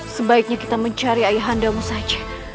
sebaiknya kita mencari ayahandamu saja